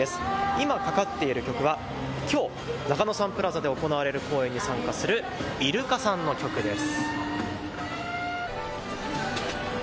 今かかっている曲はきょう中野サンプラザで行われる公演に参加するイルカさんの曲です。